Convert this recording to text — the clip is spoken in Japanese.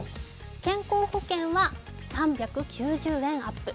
健康保険は３９０円アップ。